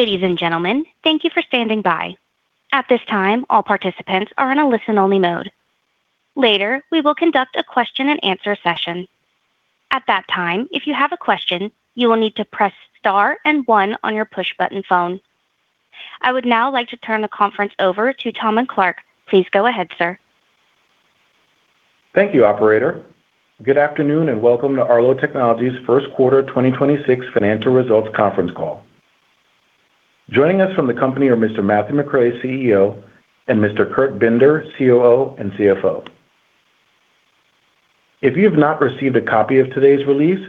Ladies and gentlemen, thank you for standing by. At this time, all participants are in a listen-only mode. Later, we will conduct a question-and-answer session. At that time, if you have a question, you will need to press star and one on your push-button phone. I would now like to turn the conference over to Tahmin Clarke. Please go ahead, sir. Thank you, operator. Good afternoon, welcome to Arlo Technologies' first quarter 2026 financial results conference call. Joining us from the company are Mr. Matt McRae, CEO, and Mr. Kurt Binder, COO and CFO. If you have not received a copy of today's release,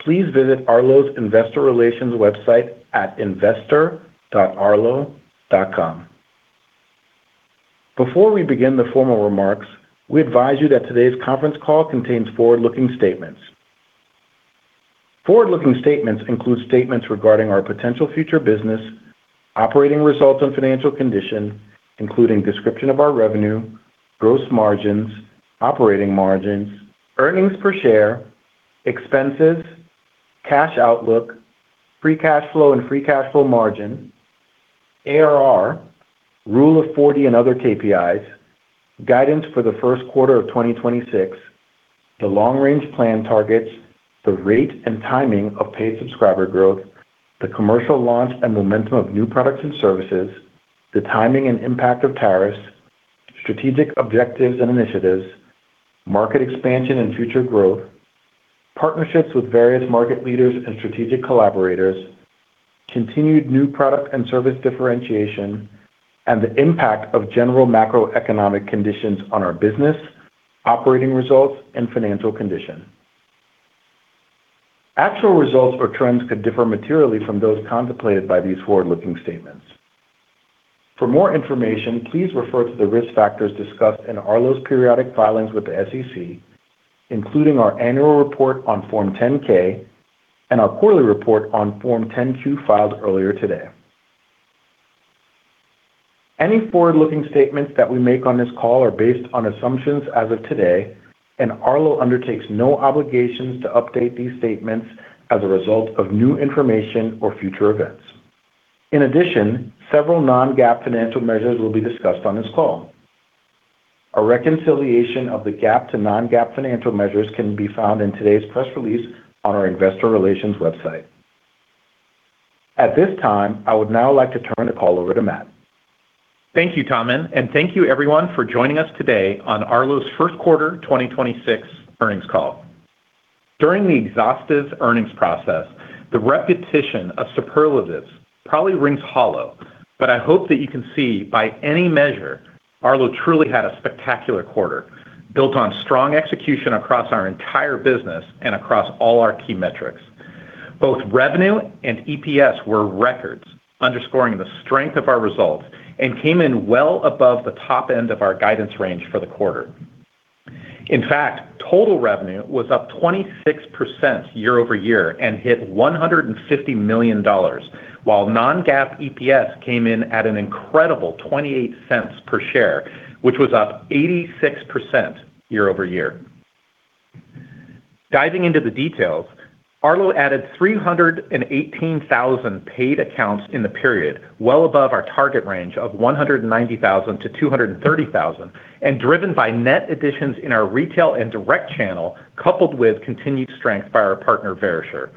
please visit Arlo's investor relations website at investor.arlo.com. Before we begin the formal remarks, we advise you that today's conference call contains forward-looking statements. Forward-looking statements include statements regarding our potential future business, operating results and financial condition, including description of our revenue, gross margins, operating margins, earnings per share, expenses, cash outlook, free cash flow and free cash flow margin, ARR, Rule of 40 and other KPIs, guidance for the first quarter of 2026, the long-range plan targets, the rate and timing of paid subscriber growth, the commercial launch and momentum of new products and services, the timing and impact of tariffs, strategic objectives and initiatives, market expansion and future growth, partnerships with various market leaders and strategic collaborators, continued new product and service differentiation, and the impact of general macroeconomic conditions on our business, operating results, and financial condition. Actual results or trends could differ materially from those contemplated by these forward-looking statements. For more information, please refer to the risk factors discussed in Arlo's periodic filings with the SEC, including our annual report on Form 10-K and our quarterly report on Form 10-Q filed earlier today. Any forward-looking statements that we make on this call are based on assumptions as of today, and Arlo undertakes no obligations to update these statements as a result of new information or future events. In addition, several non-GAAP financial measures will be discussed on this call. A reconciliation of the GAAP to non-GAAP financial measures can be found in today's press release on our investor relations website. At this time, I would now like to turn the call over to Matt. Thank you, Tahmin, and thank you everyone for joining us today on Arlo's first quarter 2026 earnings call. During the exhaustive earnings process, the repetition of superlatives probably rings hollow, but I hope that you can see by any measure, Arlo truly had a spectacular quarter built on strong execution across our entire business and across all our key metrics. Both revenue and EPS were records underscoring the strength of our results and came in well above the top end of our guidance range for the quarter. In fact, total revenue was up 26% year-over-year and hit $150 million, while non-GAAP EPS came in at an incredible $0.28 per share, which was up 86% year-over-year. Diving into the details, Arlo added 318,000 paid accounts in the period, well above our target range of 190,000-230,000, and driven by net additions in our retail and direct channel, coupled with continued strength by our partner, Verisure.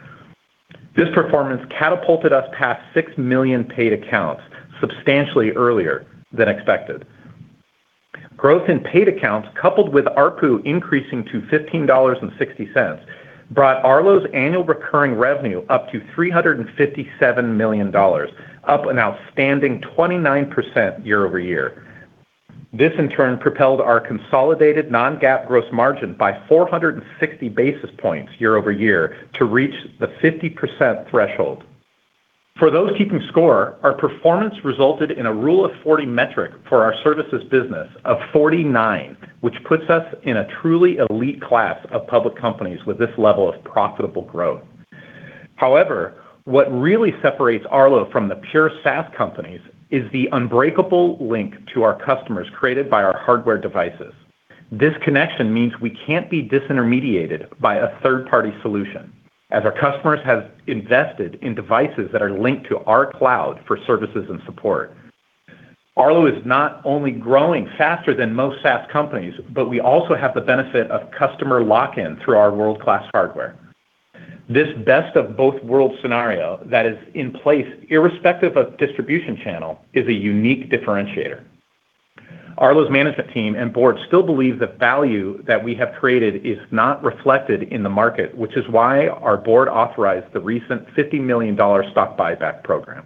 This performance catapulted us past 6 million paid accounts substantially earlier than expected. Growth in paid accounts, coupled with ARPU increasing to $15.60, brought Arlo's annual recurring revenue up to $357 million, up an outstanding 29% year-over-year. This, in turn, propelled our consolidated non-GAAP gross margin by 460 basis points year-over-year to reach the 50% threshold. For those keeping score, our performance resulted in a Rule of 40 metric for our services business of 49, which puts us in a truly elite class of public companies with this level of profitable growth. However, what really separates Arlo from the pure SaaS companies is the unbreakable link to our customers created by our hardware devices. This connection means we can't be disintermediated by a third-party solution, as our customers have invested in devices that are linked to our cloud for services and support. Arlo is not only growing faster than most SaaS companies, but we also have the benefit of customer lock-in through our world-class hardware. This best of both worlds scenario that is in place irrespective of distribution channel is a unique differentiator. Arlo's management team and board still believe the value that we have created is not reflected in the market, which is why our board authorized the recent $50 million stock buyback program.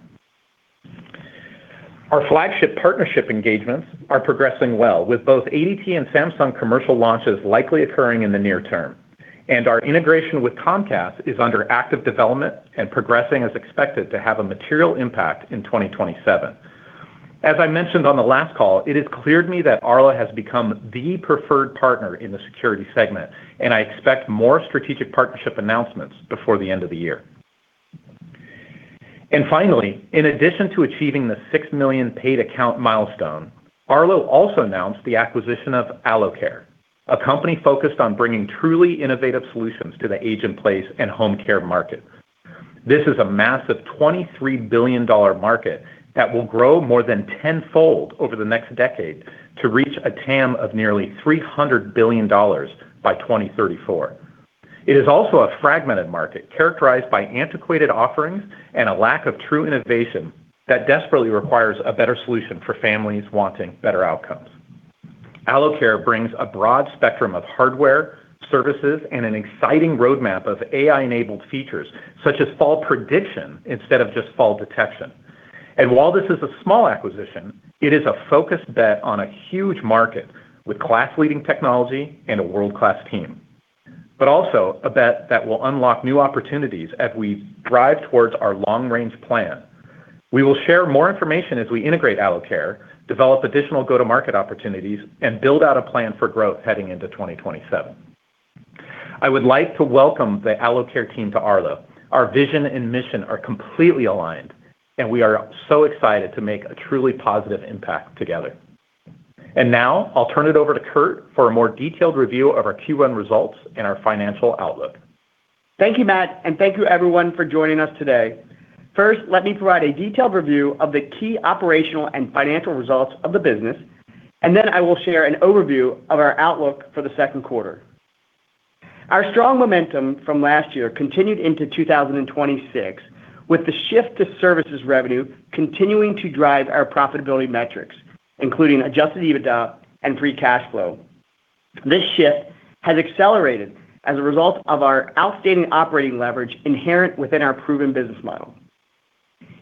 Our flagship partnership engagements are progressing well, with both ADT and Samsung commercial launches likely occurring in the near term, and our integration with Comcast is under active development and progressing as expected to have a material impact in 2027. As I mentioned on the last call, it is clear to me that Arlo has become the preferred partner in the security segment, I expect more strategic partnership announcements before the end of the year. In addition to achieving the 6 million paid account milestone, Arlo also announced the acquisition of Aloe Care. A company focused on bringing truly innovative solutions to the age in place and home care market. This is a massive $23 billion market that will grow more than tenfold over the next decade to reach a TAM of nearly $300 billion by 2034. It is also a fragmented market characterized by antiquated offerings and a lack of true innovation that desperately requires a better solution for families wanting better outcomes. Aloe Care brings a broad spectrum of hardware, services, and an exciting roadmap of AI-enabled features such as fall prediction instead of just fall detection. While this is a small acquisition, it is a focused bet on a huge market with class-leading technology and a world-class team. Also a bet that will unlock new opportunities as we drive towards our long-range plan. We will share more information as we integrate Aloe Care, develop additional go-to-market opportunities, and build out a plan for growth heading into 2027. I would like to welcome the Aloe Care team to Arlo. Our vision and mission are completely aligned, we are so excited to make a truly positive impact together. Now I'll turn it over to Kurt for a more detailed review of our Q1 results and our financial outlook. Thank you, Matt, and thank you everyone for joining us today. First, let me provide a detailed review of the key operational and financial results of the business, and then I will share an overview of our outlook for the second quarter. Our strong momentum from last year continued into 2026, with the shift to services revenue continuing to drive our profitability metrics, including adjusted EBITDA and free cash flow. This shift has accelerated as a result of our outstanding operating leverage inherent within our proven business model.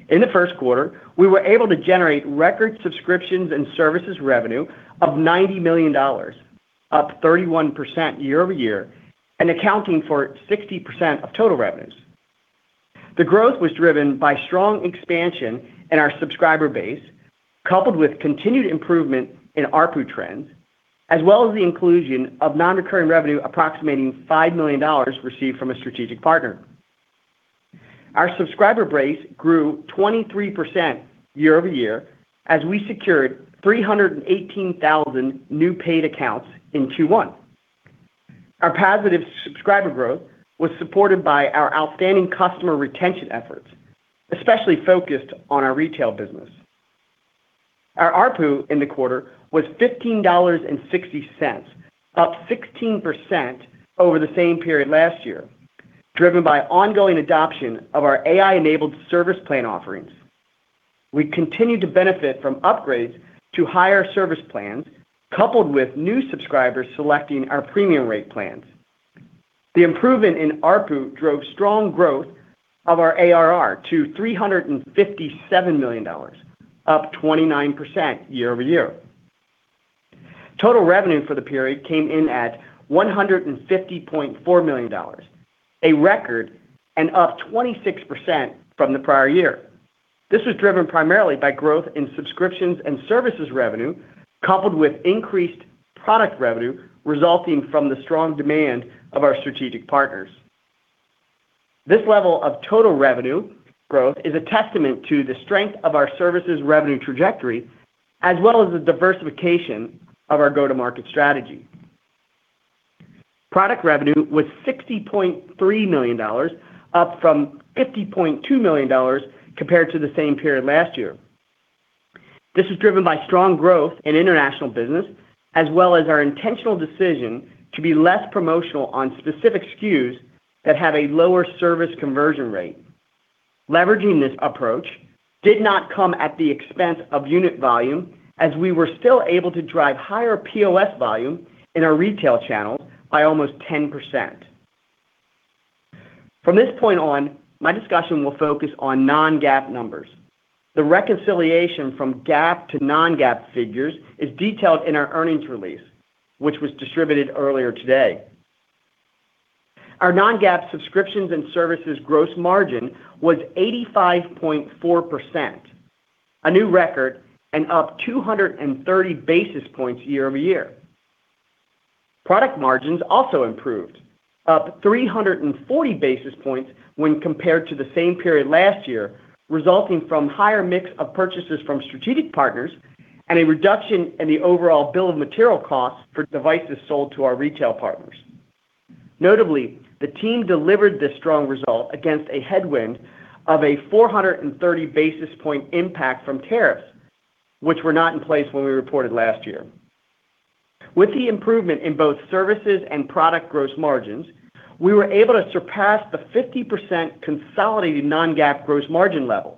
In the first quarter, we were able to generate record subscriptions and services revenue of $90 million, up 31% year-over-year and accounting for 60% of total revenues. The growth was driven by strong expansion in our subscriber base, coupled with continued improvement in ARPU trends, as well as the inclusion of non-recurring revenue approximating $5 million received from a strategic partner. Our subscriber base grew 23% year-over-year as we secured 318,000 new paid accounts in Q1. Our positive subscriber growth was supported by our outstanding customer retention efforts, especially focused on our retail business. Our ARPU in the quarter was $15.60, up 16% over the same period last year, driven by ongoing adoption of our AI-enabled service plan offerings. We continue to benefit from upgrades to higher service plans, coupled with new subscribers selecting our premium rate plans. The improvement in ARPU drove strong growth of our ARR to $357 million, up 29% year-over-year. Total revenue for the period came in at $150.4 million, a record and up 26% from the prior year. This was driven primarily by growth in subscriptions and services revenue, coupled with increased product revenue resulting from the strong demand of our strategic partners. This level of total revenue growth is a testament to the strength of our services revenue trajectory, as well as the diversification of our go-to-market strategy. Product revenue was $60.3 million, up from $50.2 million compared to the same period last year. This was driven by strong growth in international business, as well as our intentional decision to be less promotional on specific SKUs that have a lower service conversion rate. Leveraging this approach did not come at the expense of unit volume, as we were still able to drive higher POS volume in our retail channels by almost 10%. From this point on, my discussion will focus on non-GAAP numbers. The reconciliation from GAAP to non-GAAP figures is detailed in our earnings release, which was distributed earlier today. Our non-GAAP subscriptions and services gross margin was 85.4%, a new record and up 230 basis points year-over-year. Product margins also improved, up 340 basis points when compared to the same period last year, resulting from higher mix of purchases from strategic partners and a reduction in the overall bill of material costs for devices sold to our retail partners. Notably, the team delivered this strong result against a headwind of a 430 basis point impact from tariffs, which were not in place when we reported last year. With the improvement in both services and product gross margins, we were able to surpass the 50% consolidated non-GAAP gross margin level,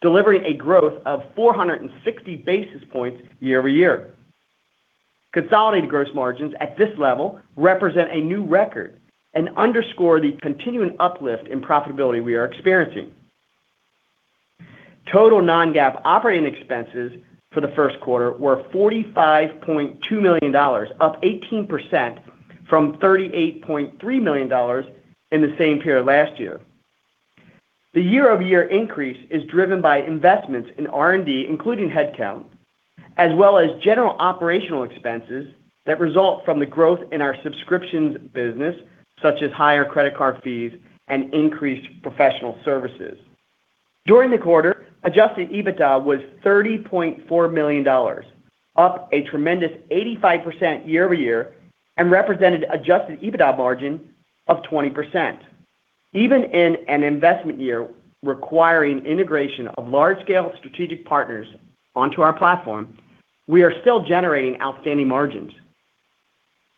delivering a growth of 460 basis points year-over-year. Consolidated gross margins at this level represent a new record and underscore the continuing uplift in profitability we are experiencing. Total non-GAAP operating expenses for the first quarter were $45.2 million, up 18% from $38.3 million in the same period last year. The year-over-year increase is driven by investments in R&D, including headcount, as well as general operational expenses that result from the growth in our subscriptions business, such as higher credit card fees and increased professional services. During the quarter, adjusted EBITDA was $30.4 million, up a tremendous 85% year-over-year and represented adjusted EBITDA margin of 20%. Even in an investment year requiring integration of large-scale strategic partners onto our platform, we are still generating outstanding margins.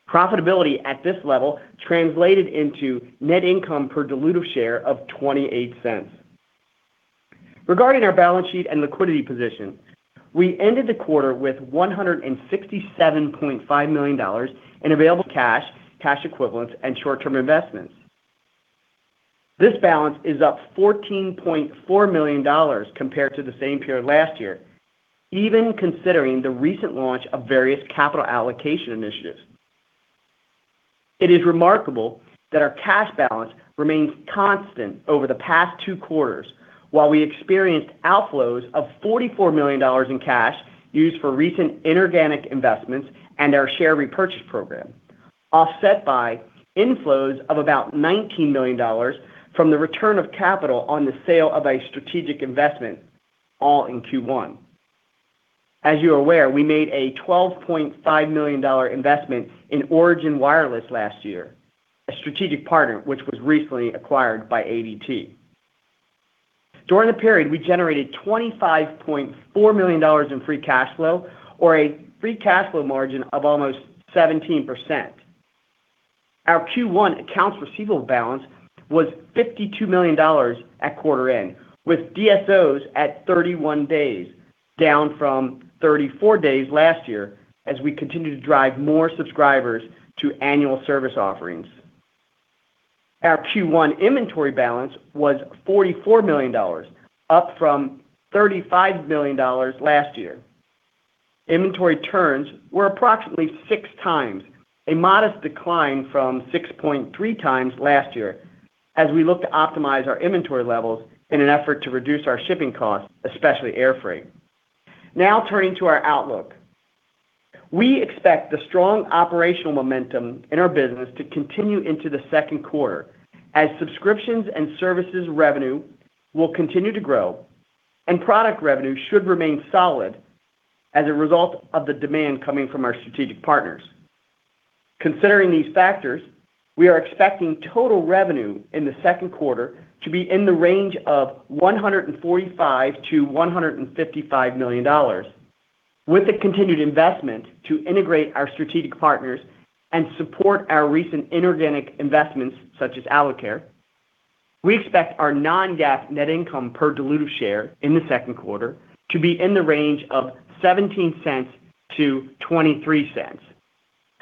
Profitability at this level translated into net income per dilutive share of $0.28. Regarding our balance sheet and liquidity position, we ended the quarter with $167.5 million in available cash equivalents, and short-term investments. This balance is up $14.4 million compared to the same period last year, even considering the recent launch of various capital allocation initiatives. It is remarkable that our cash balance remains constant over the past two quarters while we experienced outflows of $44 million in cash used for recent inorganic investments and our share repurchase program, offset by inflows of about $19 million from the return of capital on the sale of a strategic investment, all in Q1. As you are aware, we made a $12.5 million investment in Origin Wireless last year, a strategic partner which was recently acquired by ADT. During the period, we generated $25.4 million in free cash flow or a free cash flow margin of almost 17%. Our Q1 accounts receivable balance was $52 million at quarter end, with DSOs at 31 days, down from 34 days last year as we continue to drive more subscribers to annual service offerings. Our Q1 inventory balance was $44 million, up from $35 million last year. Inventory turns were approximately 6x, a modest decline from 6.3x last year as we look to optimize our inventory levels in an effort to reduce our shipping costs, especially air freight. Now turning to our outlook. We expect the strong operational momentum in our business to continue into the second quarter as subscriptions and services revenue will continue to grow and product revenue should remain solid as a result of the demand coming from our strategic partners. Considering these factors, we are expecting total revenue in the second quarter to be in the range of $145 million-$155 million. With the continued investment to integrate our strategic partners and support our recent inorganic investments such as Aloe Care, we expect our non-GAAP net income per dilutive share in the second quarter to be in the range of $0.17-$0.23.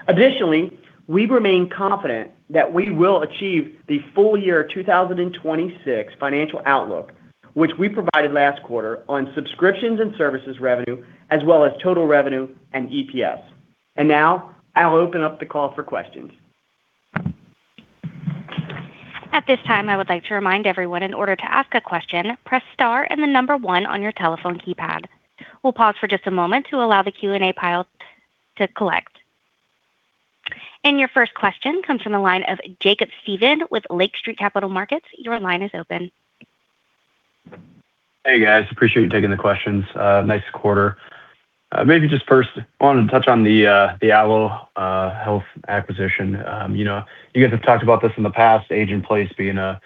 Additionally, we remain confident that we will achieve the full year 2026 financial outlook, which we provided last quarter on subscriptions and services revenue as well as total revenue and EPS. Now I'll open up the call for questions. At this time, I would like to remind everyone in order to ask a question, press star and the number one on your telephone keypad. We'll pause for just a moment to allow the Q&A pile to collect. Your first question comes from the line of Jacob Stephan with Lake Street Capital Markets. Your line is open. Hey, guys. Appreciate you taking the questions. Nice quarter. Maybe just first I wanted to touch on the Aloe Health acquisition. You know, you guys have talked about this in the past, age in place being a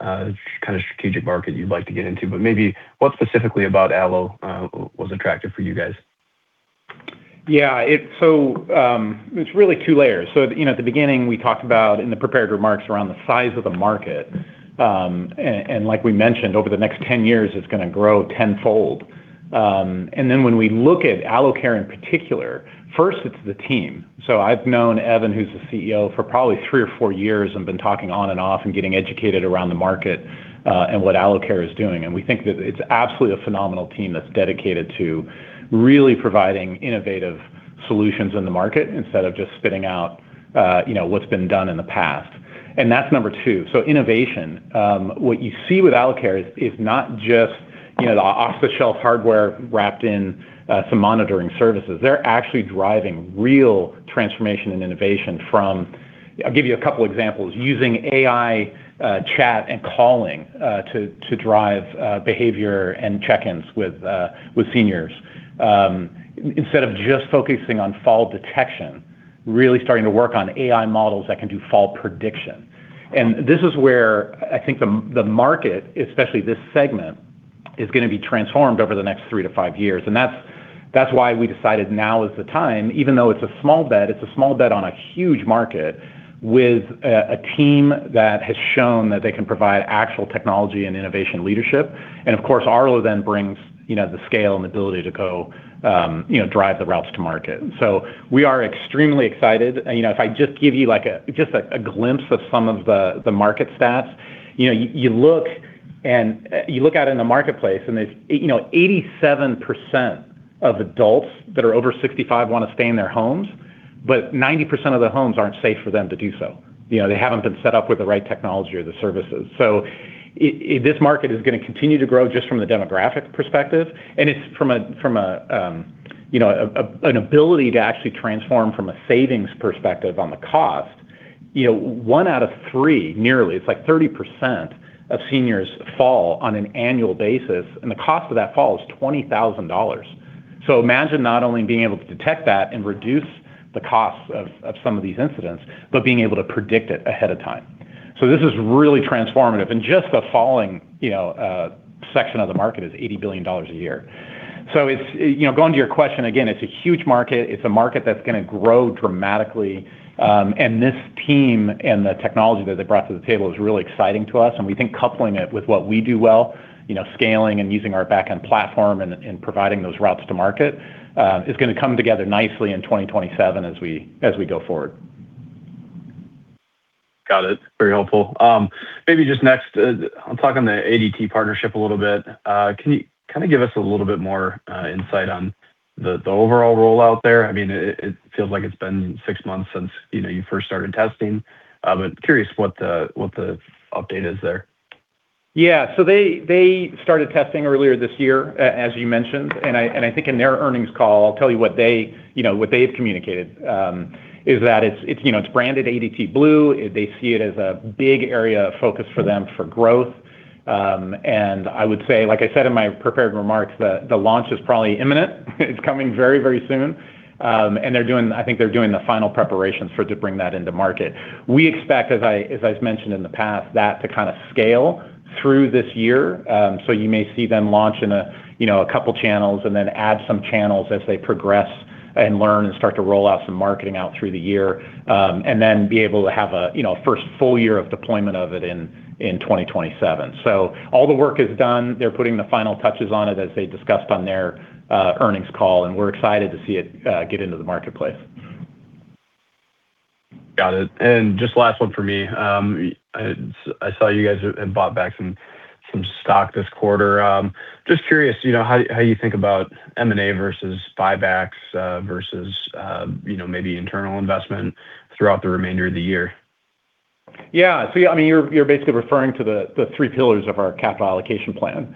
kind of strategic market you'd like to get into. Maybe what specifically about Aloe was attractive for you guys? It's really two layers. You know, at the beginning, we talked about in the prepared remarks around the size of the market, and like we mentioned, over the next 10 years, it's gonna grow 10-fold. When we look at Aloe Care in particular, first it's the team. I've known Evan, who's the CEO, for probably three or four years and been talking on and off and getting educated around the market, and what Aloe Care is doing. We think that it's absolutely a phenomenal team that's dedicated to really providing innovative solutions in the market instead of just spitting out, you know, what's been done in the past. That's number two. Innovation, what you see with Aloe Care is not just, you know, off-the-shelf hardware wrapped in some monitoring services. They're actually driving real transformation and innovation from I'll give you a couple examples. Using AI, chat and, calling, to drive behavior and check-ins with seniors. Instead of just focusing on fall detection, really starting to work on AI models that can do fall prediction. This is where I think the market, especially this segment, is gonna be transformed over the next three to five years. That's why we decided now is the time, even though it's a small bet, it's a small bet on a huge market with a team that has shown that they can provide actual technology and innovation leadership. Of course, Arlo then brings, you know, the scale and ability to go, you know, drive the routes to market. We are extremely excited. You know, if I just give you like a, just a glimpse of some of the market stats, you know, you look and you look out in the marketplace and there's, you know, 87% of adults that are over 65 wanna stay in their homes, but 90% of the homes aren't safe for them to do so. You know, they haven't been set up with the right technology or the services. This market is gonna continue to grow just from the demographic perspective, and it's from a, from a, you know, an ability to actually transform from a savings perspective on the cost You know, one out of three nearly, it's like 30% of seniors fall on an annual basis, and the cost of that fall is $20,000. Imagine not only being able to detect that and reduce the costs of some of these incidents, but being able to predict it ahead of time. This is really transformative. Just the falling, you know, section of the market is $80 billion a year. You know, going to your question, again, it's a huge market. It's a market that's gonna grow dramatically. This team and the technology that they brought to the table is really exciting to us, and we think coupling it with what we do well, you know, scaling and using our back-end platform and providing those routes to market, is gonna come together nicely in 2027 as we go forward. Got it. Very helpful. Maybe just next, talking the ADT partnership a little bit, can you kinda give us a little bit more insight on the overall rollout there? I mean, it feels like it's been six months since, you know, you first started testing. Curious what the, what the update is there? They started testing earlier this year, as you mentioned. I think in their earnings call, I'll tell you what they, you know, what they've communicated, is that it's, you know, it's branded ADT Blue. They see it as a big area of focus for them for growth. I would say, like I said in my prepared remarks, the launch is probably imminent. It's coming very, very soon. I think they're doing the final preparations for to bring that into market. We expect, as I've mentioned in the past, that to kinda scale through this year. You may see them launch in a couple channels and then add some channels as they progress and learn and start to roll out some marketing out through the year, and then be able to have a first full year of deployment of it in 2027. All the work is done. They're putting the final touches on it as they discussed on their earnings call, and we're excited to see it get into the marketplace. Got it. Just last one for me. I saw you guys had bought back some stock this quarter. Just curious, you know, how you think about M&A versus buybacks, versus, you know, maybe internal investment throughout the remainder of the year. Yeah. You're basically referring to the three pillars of our capital allocation plan.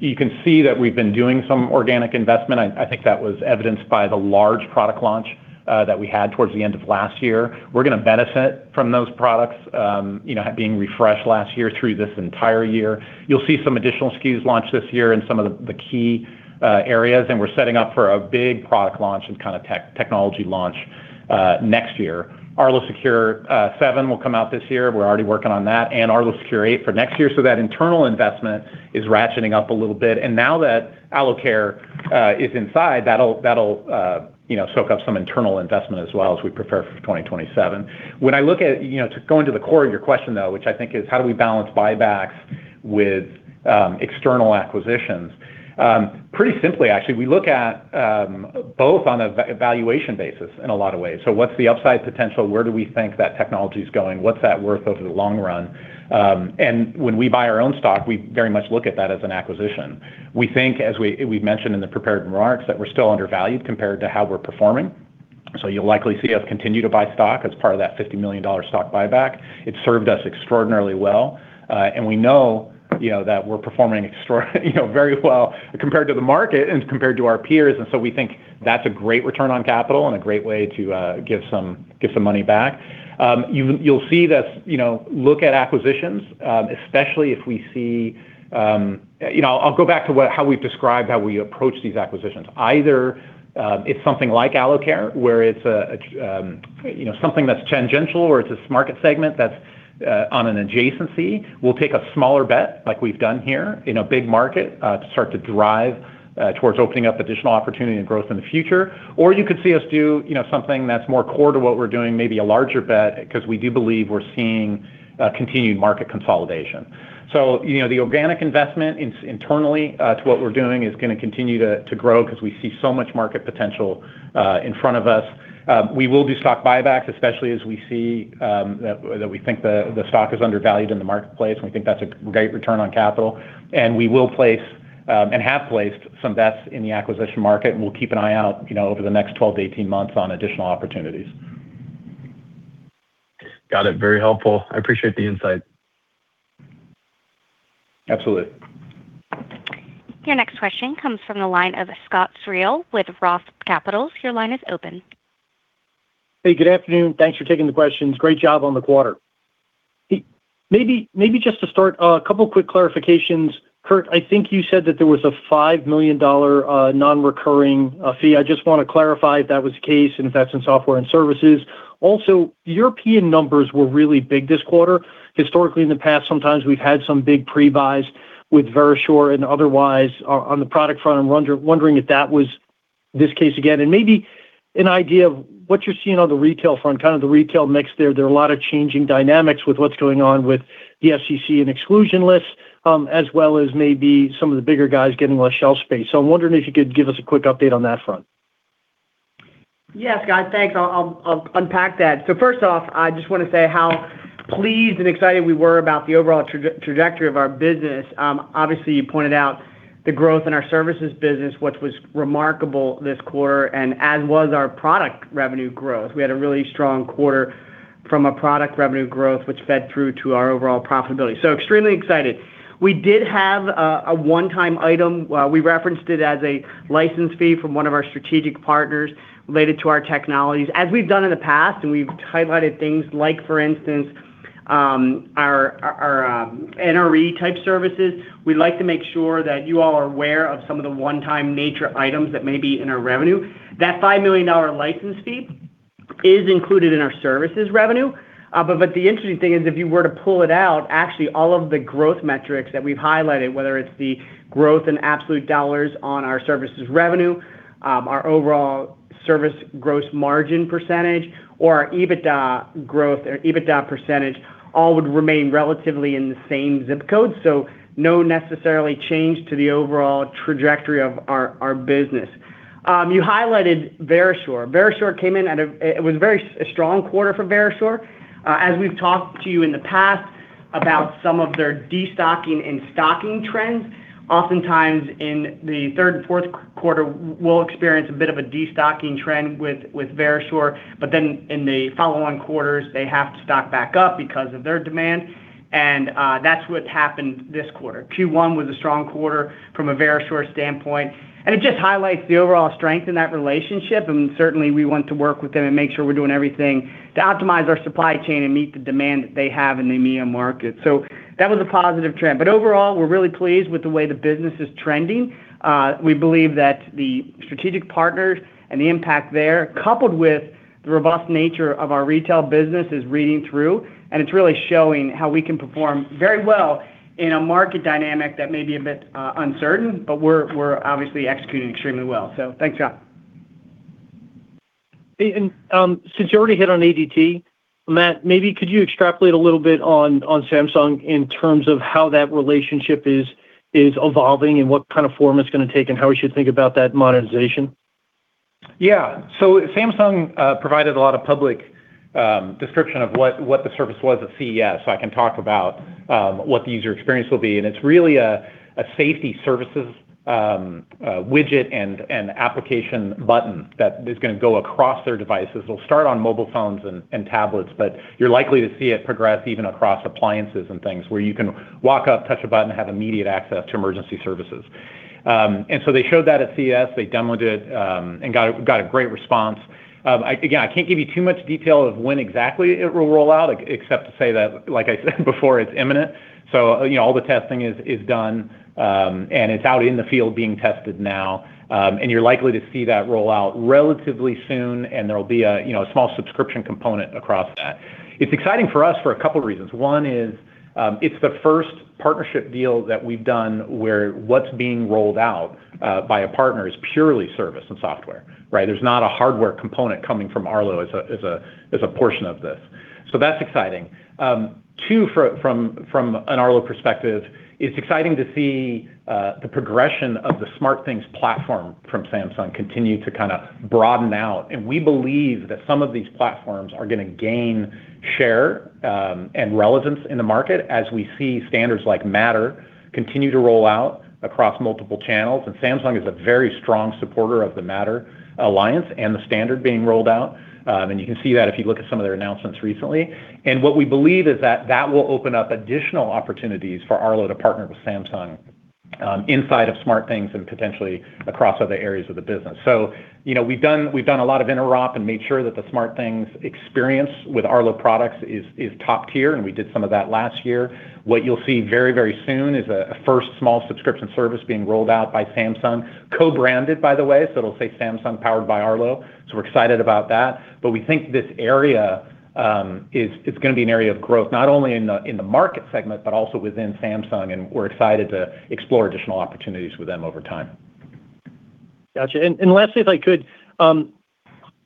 You can see that we've been doing some organic investment. I think that was evidenced by the large product launch that we had towards the end of last year. We're gonna benefit from those products being refreshed last year through this entire year. You'll see some additional SKUs launch this year in some of the key areas, and we're setting up for a big product launch and kinda technology launch next year. Arlo Secure 7 will come out this year. We're already working on that, and Arlo Secure 8 for next year. That internal investment is ratcheting up a little bit. Now that Aloe Care is inside, that'll, you know, soak up some internal investment as well as we prepare for 2027. You know, to go into the core of your question, though, which I think is how do we balance buybacks with external acquisitions? Pretty simply, actually. We look at both on a valuation basis in a lot of ways. What's the upside potential? Where do we think that technology is going? What's that worth over the long run? When we buy our own stock, we very much look at that as an acquisition. We think, as we've mentioned in the prepared remarks, that we're still undervalued compared to how we're performing. You'll likely see us continue to buy stock as part of that $50 million stock buyback. It's served us extraordinarily well, and we know, you know, that we're performing extraordinary you know, very well compared to the market and compared to our peers, and so we think that's a great return on capital and a great way to give some money back. You'll, you'll see this, you know, look at acquisitions, especially if we see, you know, I'll go back to how we've described how we approach these acquisitions. Either, it's something like Aloe Care Health, where it's a, you know, something that's tangential or it's this market segment that's on an adjacency. We'll take a smaller bet like we've done here in a big market, to start to drive towards opening up additional opportunity and growth in the future. Or you could see us do, you know, something that's more core to what we're doing, maybe a larger bet, because we do believe we're seeing, continued market consolidation. The organic investment internally, to what we're doing is gonna continue to grow because we see so much market potential in front of us. We will do stock buybacks, especially as we see, that we think the stock is undervalued in the marketplace, and we think that's a great return on capital. We will place, and have placed some bets in the acquisition market, and we'll keep an eye out, you know, over the next 12 to 18 months on additional opportunities. Got it. Very helpful. I appreciate the insight. Absolutely. Your next question comes from the line of Scott Searle with Roth Capital. Your line is open. Hey, good afternoon. Thanks for taking the questions. Great job on the quarter. Maybe just to start, a couple quick clarifications. Kurt, I think you said that there was a $5 million non-recurring fee. I just want to clarify if that was the case and if that's in software and services. European numbers were really big this quarter. Historically, in the past, sometimes we've had some big pre-buys with Verisure and otherwise on the product front. I'm wondering if that was this case again. Maybe an idea of what you're seeing on the retail front, kind of the retail mix there. There are a lot of changing dynamics with what's going on with the FCC and exclusion lists, as well as maybe some of the bigger guys getting less shelf space. I'm wondering if you could give us a quick update on that front. Yes, Scott. Thanks. I'll unpack that. First off, I just want to say how pleased and excited we were about the overall trajectory of our business. Obviously, you pointed out the growth in our services business, which was remarkable this quarter, and as was our product revenue growth. We had a really strong quarter from a product revenue growth, which fed through to our overall profitability. Extremely excited. We did have a one-time item. We referenced it as a license fee from one of our strategic partners related to our technologies. As we've done in the past, we've highlighted things like, for instance, Our NRE type services, we like to make sure that you all are aware of some of the one-time nature items that may be in our revenue. That $5 million license fee is included in our services revenue. The interesting thing is if you were to pull it out, actually all of the growth metrics that we've highlighted, whether it's the growth in absolute dollars on our services revenue, our overall service gross margin percentage, or our EBITDA growth or EBITDA percentage, all would remain relatively in the same zip code. No necessarily change to the overall trajectory of our business. You highlighted Verisure. Verisure came in at a very strong quarter for Verisure. As we've talked to you in the past about some of their destocking and stocking trends, oftentimes in the third and fourth quarter, we'll experience a bit of a destocking trend with Verisure. In the follow-on quarters, they have to stock back up because of their demand. That's what happened this quarter. Q1 was a strong quarter from a Verisure standpoint, and it just highlights the overall strength in that relationship, and certainly we want to work with them and make sure we're doing everything to optimize our supply chain and meet the demand that they have in the EMEA market. That was a positive trend. Overall, we're really pleased with the way the business is trending. We believe that the strategic partners and the impact there, coupled with the robust nature of our retail business, is reading through, and it's really showing how we can perform very well in a market dynamic that may be a bit uncertain, but we're obviously executing extremely well. Thanks, Scott. Since you already hit on ADT, Matt, maybe could you extrapolate a little bit on Samsung in terms of how that relationship is evolving and what kind of form it's gonna take and how we should think about that monetization? Samsung provided a lot of public description of what the service was at CES. I can talk about what the user experience will be, and it's really a safety services, a widget and application button that is gonna go across their devices. It'll start on mobile phones and tablets, you're likely to see it progress even across appliances and things, where you can walk up, touch a button, and have immediate access to emergency services. They showed that at CES. They demoed it and got a great response. Again, I can't give you too much detail of when exactly it will roll out, except to say that, like I said before, it's imminent. You know, all the testing is done, and it's out in the field being tested now. You're likely to see that roll out relatively soon, and there will be a, you know, a small subscription component across that. It's exciting for us for a couple reasons. One is, it's the first partnership deal that we've done where what's being rolled out by a partner is purely service and software, right? There's not a hardware component coming from Arlo as a portion of this. That's exciting. Two, from an Arlo perspective, it's exciting to see the progression of the SmartThings platform from Samsung continue to kinda broaden out. We believe that some of these platforms are gonna gain share and relevance in the market as we see standards like Matter continue to roll out across multiple channels. Samsung is a very strong supporter of the Matter alliance and the standard being rolled out. You can see that if you look at some of their announcements recently. What we believe is that that will open up additional opportunities for Arlo to partner with Samsung inside of SmartThings and potentially across other areas of the business. You know, we've done a lot of interop and made sure that the SmartThings experience with Arlo products is top tier, and we did some of that last year. What you'll see very, very soon is a first small subscription service being rolled out by Samsung, co-branded, by the way, so it'll say Samsung powered by Arlo. We're excited about that. We think this area is gonna be an area of growth, not only in the market segment, but also within Samsung, and we're excited to explore additional opportunities with them over time. Gotcha. Lastly, if I could,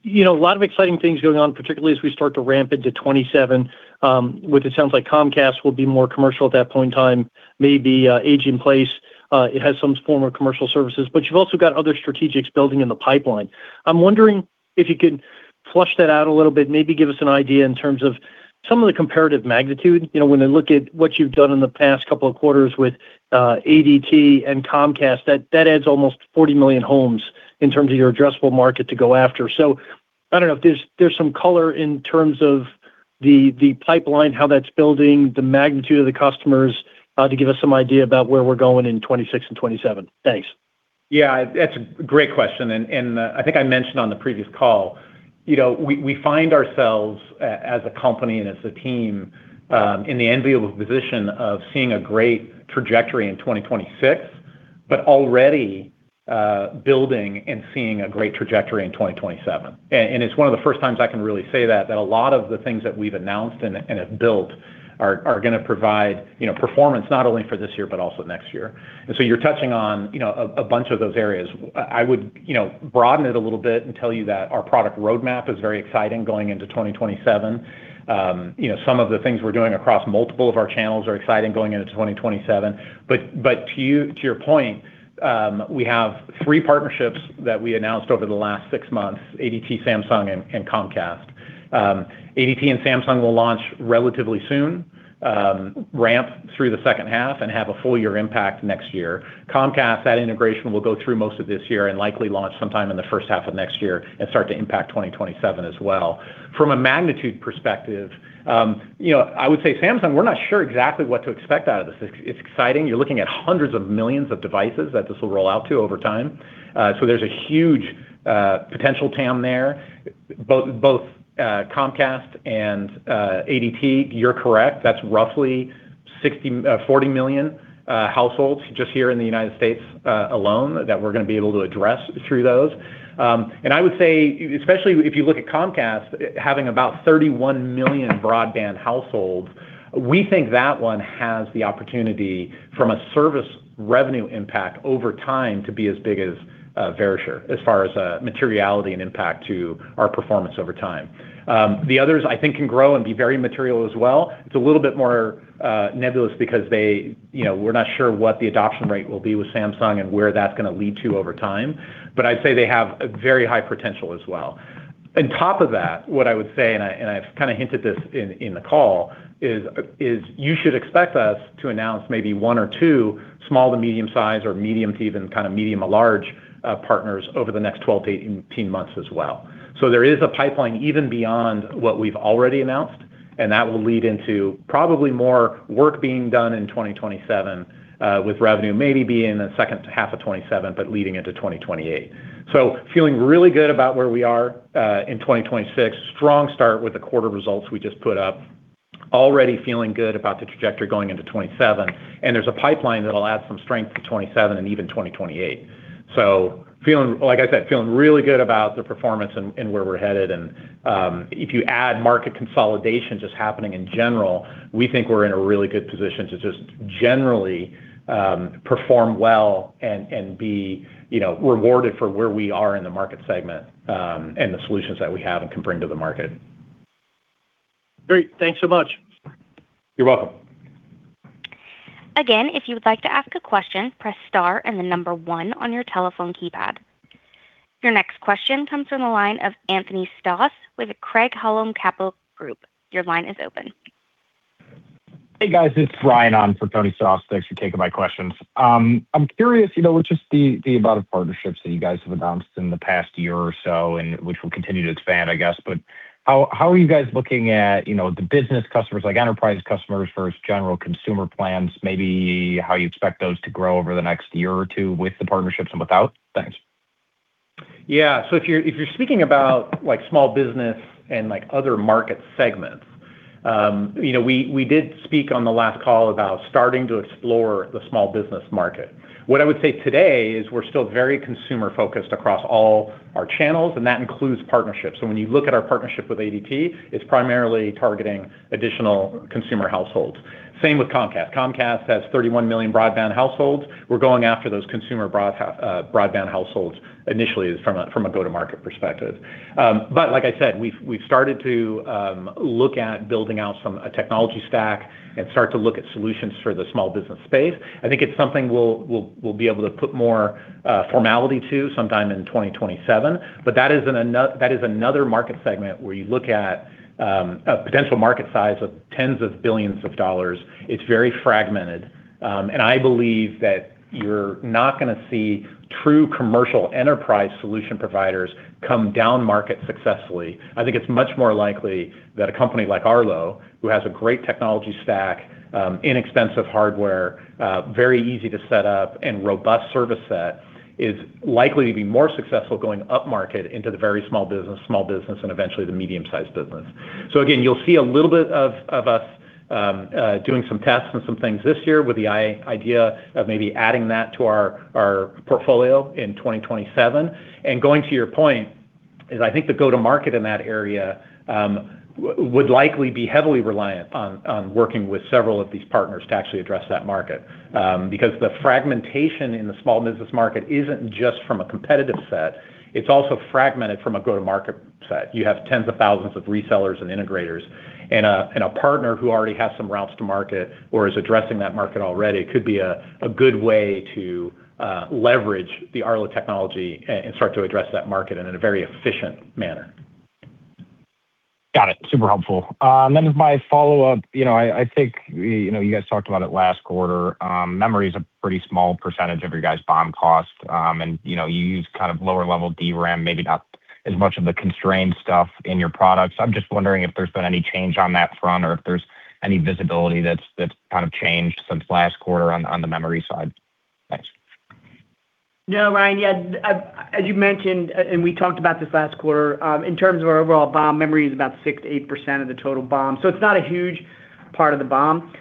you know, a lot of exciting things going on, particularly as we start to ramp into 2027, which it sounds like Comcast will be more commercial at that point in time, maybe age in place has some form of commercial services, but you've also got other strategics building in the pipeline. I'm wondering if you could flush that out a little bit, maybe give us an idea in terms of some of the comparative magnitude. You know, when I look at what you've done in the past couple of quarters with ADT and Comcast, that adds almost 40 million homes in terms of your addressable market to go after. I don't know if there's some color in terms of the pipeline, how that's building, the magnitude of the customers, to give us some idea about where we're going in 2026 and 2027. Thanks. Yeah. That's a great question. I think I mentioned on the previous call, you know, we find ourselves as a company and as a team in the enviable position of seeing a great trajectory in 2026, but already building and seeing a great trajectory in 2027. It's one of the first times I can really say that a lot of the things that we've announced and have built are gonna provide, you know, performance not only for this year, but also next year. You're touching on, you know, a bunch of those areas. I would, you know, broaden it a little bit and tell you that our product roadmap is very exciting going into 2027. You know, some of the things we're doing across multiple of our channels are exciting going into 2027. To you, to your point, we have three partnerships that we announced over the last six months: ADT, Samsung, and Comcast. ADT and Samsung will launch relatively soon, ramp through the second half, and have a full year impact next year. Comcast, that integration will go through most of this year and likely launch sometime in the first half of next year and start to impact 2027 as well. From a magnitude perspective, you know, I would say Samsung, we're not sure exactly what to expect out of this. It's exciting. You're looking at hundreds of millions of devices that this will roll out to over time. There's a huge potential TAM there. Both Comcast and ADT, you're correct. That's roughly 60, 40 million households just here in the United States alone that we're gonna be able to address through those. I would say, especially if you look at Comcast having about 31 million broadband households, we think that one has the opportunity from a service revenue impact over time to be as big as Verisure as far as materiality and impact to our performance over time. The others I think can grow and be very material as well. It's a little bit more nebulous because they, you know, we're not sure what the adoption rate will be with Samsung and where that's gonna lead to over time, but I'd say they have a very high potential as well. On top of that, what I would say, and I've kind of hinted this in the call, is you should expect us to announce maybe one or two small to medium size or medium to even kind of medium to large partners over the next 12 to 18 months as well. There is a pipeline even beyond what we've already announced, and that will lead into probably more work being done in 2027, with revenue maybe being in the second half of 2027, but leading into 2028. Feeling really good about where we are in 2026. Strong start with the quarter results we just put up. Already feeling good about the trajectory going into 2027, and there's a pipeline that'll add some strength to 2027 and even 2028. Like I said, feeling really good about the performance and where we're headed, and if you add market consolidation just happening in general, we think we're in a really good position to just generally perform well and be, you know, rewarded for where we are in the market segment and the solutions that we have and can bring to the market. Great. Thanks so much. You're welcome. Again, if you like to ask question, please star and number one in your telephone keypad. Your next question comes from the line of Anthony Stoss with Craig-Hallum Capital Group. Hey, guys. This is Ryan on for Tony Stoss. Thanks for taking my questions. I'm curious, you know, with just the amount of partnerships that you guys have announced in the past year or so and which will continue to expand, I guess, but how are you guys looking at, you know, the business customers, like enterprise customers versus general consumer plans, maybe how you expect those to grow over the next year or two with the partnerships and without? Thanks. Yeah. If you're, if you're speaking about like small business and like other market segments, you know, we did speak on the last call about starting to explore the small business market. What I would say today is we're still very consumer-focused across all our channels, and that includes partnerships. When you look at our partnership with ADT, it's primarily targeting additional consumer households. Same with Comcast. Comcast has 31 million broadband households. We're going after those consumer broadband households initially from a go-to-market perspective. Like I said, we've started to look at building out a technology stack and start to look at solutions for the small business space. I think it's something we'll be able to put more formality to sometime in 2027. That is another market segment where you look at a potential market size of tens of billions of dollars. It's very fragmented. I believe that you're not going to see true commercial enterprise solution providers come down market successfully. I think it's much more likely that a company like Arlo, who has a great technology stack, inexpensive hardware, very easy to set up, and robust service set, is likely to be more successful going up market into the very small business, small business, and eventually the medium-sized business. Again, you'll see a little bit of us doing some tests and some things this year with the idea of maybe adding that to our portfolio in 2027. Going to your point is I think the go-to-market in that area would likely be heavily reliant on working with several of these partners to actually address that market. Because the fragmentation in the small business market isn't just from a competitive set, it's also fragmented from a go-to-market set. You have tens of thousands of resellers and integrators, and a partner who already has some routes to market or is addressing that market already could be a good way to leverage the Arlo technology and start to address that market and in a very efficient manner. Got it. Super helpful. As my follow-up, I think you guys talked about it last quarter, memory is a pretty small percentage of your guys' BOM cost. You use kind of lower-level DRAM, maybe not as much of the constrained stuff in your products. I'm just wondering if there's been any change on that front or if there's any visibility that's kind of changed since last quarter on the memory side. Thanks. No, Ryan. Yeah, as you mentioned, we talked about this last quarter, in terms of our overall BOM, memory is about 6%-8% of the total BOM. It's not a huge part of the BOM.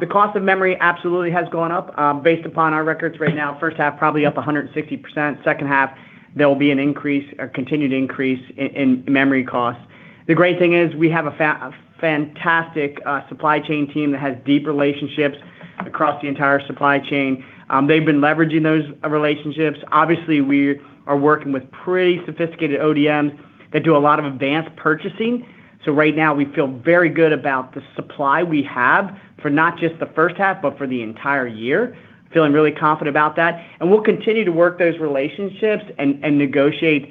The cost of memory absolutely has gone up. Based upon our records right now, first half probably up 160%. Second half, there will be an increase or continued increase in memory costs. The great thing is we have a fantastic supply chain team that has deep relationships across the entire supply chain. They've been leveraging those relationships. Obviously, we are working with pretty sophisticated ODMs that do a lot of advanced purchasing. Right now, we feel very good about the supply we have for not just the first half, but for the entire year. Feeling really confident about that. We'll continue to work those relationships and negotiate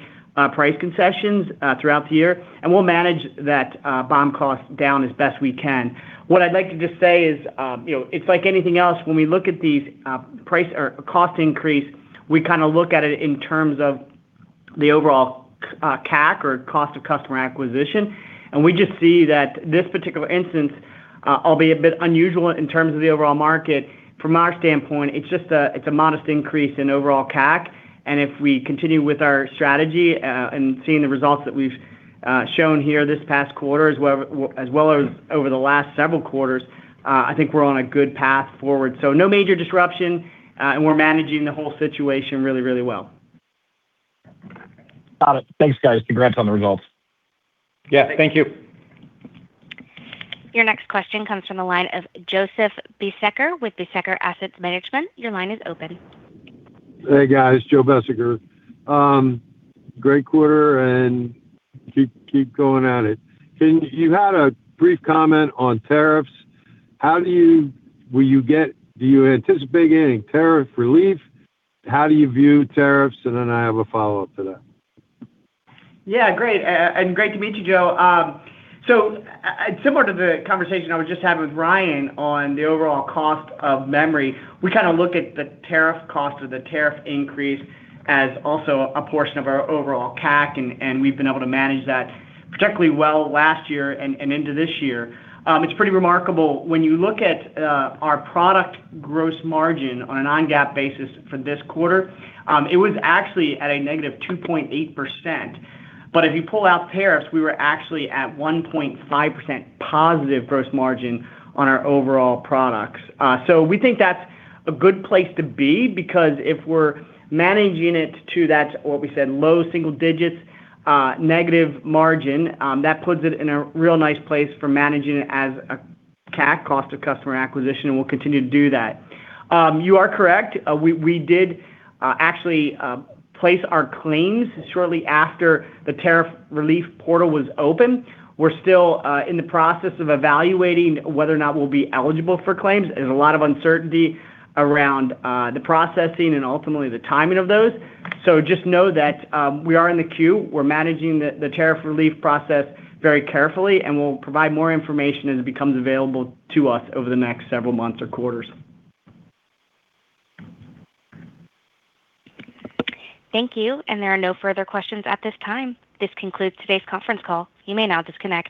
price concessions throughout the year, and we'll manage that BOM cost down as best we can. What I'd like to just say is, you know, it's like anything else, when we look at these price or cost increase, we kind of look at it in terms of the overall CAC or cost of customer acquisition. We just see that this particular instance, albeit a bit unusual in terms of the overall market, from our standpoint, it's just a modest increase in overall CAC. If we continue with our strategy and seeing the results that we've shown here this past quarter as well, as well as over the last several quarters, I think we're on a good path forward. No major disruption, and we're managing the whole situation really, really well. Got it. Thanks, guys. Congrats on the results. Yeah. Thank you. Your next question comes from the line of Joseph Besecker with Emerald Asset Management. Your line is open. Hey, guys. Joe Besecker. Great quarter and keep going at it. You had a brief comment on tariffs. How do you anticipate any tariff relief? How do you view tariffs? I have a follow-up to that. Yeah, great. Great to meet you, Joe. Similar to the conversation I was just having with Ryan on the overall cost of memory, we kinda look at the tariff cost, or the tariff increase as also a portion of our overall CAC, and we've been able to manage that particularly well last year and into this year. It's pretty remarkable when you look at our product gross margin on a non-GAAP basis for this quarter, it was actually at a negative 2.8%. If you pull out tariffs, we were actually at 1.5% positive gross margin on our overall products. We think that's a good place to be because if we're managing it to that, what we said, low single digits, negative margin, that puts it in a real nice place for managing it as a CAC, cost of customer acquisition, and we'll continue to do that. You are correct. We did actually place our claims shortly after the tariff relief portal was open. We're still in the process of evaluating whether or not we'll be eligible for claims. There's a lot of uncertainty around the processing and ultimately the timing of those. Just know that we are in the queue. We're managing the tariff relief process very carefully, and we'll provide more information as it becomes available to us over the next several months or quarters. Thank you. There are no further questions at this time. This concludes today's conference call. You may now disconnect.